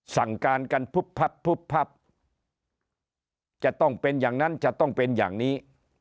สั่งการกันพุบพับพุบพับจะต้องเป็นอย่างนั้นจะต้องเป็นอย่างนี้